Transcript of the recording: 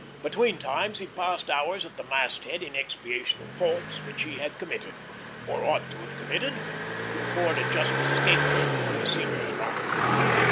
Between times he passed hours at the mast head in expiation of faults which he had committed or ought to have committed, to afford a just scapegoat for his senior's wrath.